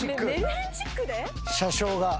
車掌が。